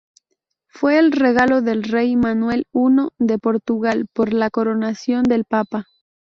Fue el regalo del Rey Manuel I de Portugal por la coronación del Papa.